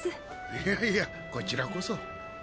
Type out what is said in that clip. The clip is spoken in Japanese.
いやいやこちらこそ。